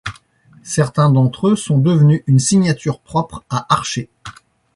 Certains d'entre eux sont devenus une signature propre à Archer.